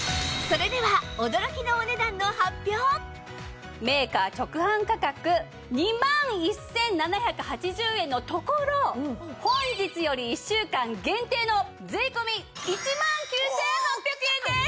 それではメーカー直販価格２万１７８０円のところ本日より１週間限定の税込１万９８００円です！